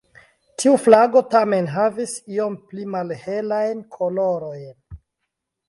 Tiu flago tamen havis iom pli malhelajn kolorojn.